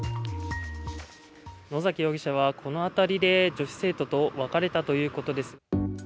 野崎容疑者は、この辺りで女子生徒と別れたということです。